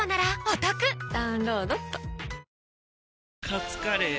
カツカレー？